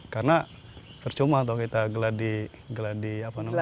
karena tercuma kita geladi ruang